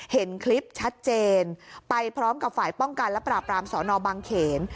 เห็นคลิปชัดเจนไปพร้อมกับฝ่ายป้องกันและปราบรามสอนอบางเขน